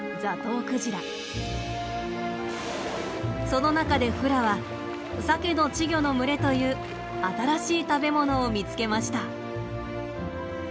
その中でフラはサケの稚魚の群れという新しい食べ物を見つけました。